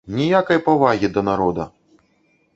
Ніякай павагі да народа!